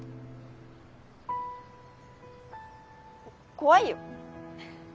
怖いよ。